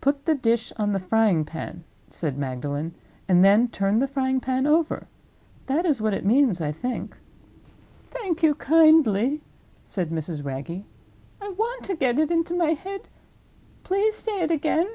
"Put the dish on the frying pan," said Magdalen; "and then turn the frying pan over. That is what it means, I think." "Thank you kindly," said Mrs. Wragge, "I want to get it into my head; please say it again."